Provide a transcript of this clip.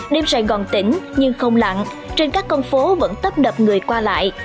đêm sài gòn tỉnh nhưng không lặn trên các con phố vẫn tấp nập người qua lại